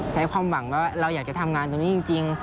ใช้ความหวังว่าเราอยากจะทำงานตรงนี้จริง